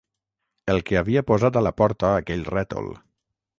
El que havia posat a la porta aquell rètol